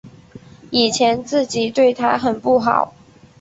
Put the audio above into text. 以前自己对她很不好